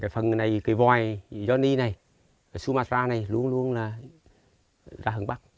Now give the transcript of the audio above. phần này cây vòi của johnny này sumatra này luôn luôn ra hướng bắc